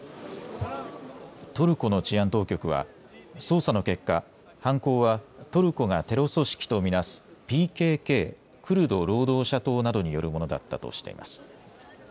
トルコの治安当局は捜査の結果、犯行はトルコがテロ組織と見なすＰＫＫ・クルド労働者党などによるものだったとしています。